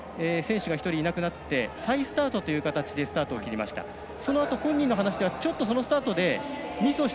選手が１人いなくなって再スタートという形でスタートを切りました。